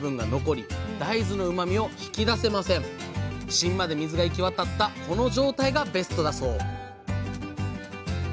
芯まで水が行き渡ったこの状態がベストだそう